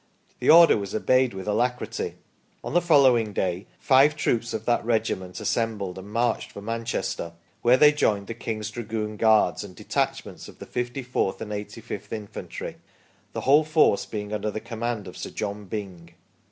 The order was obeyed with alacrity ; on the following day five troops of that regiment assembled and marched for Manchester, where they joined the King's Dragoon Guards, and de tachments of the 54th and 85th Infantry, the whole force being under the command of Sir John Byng.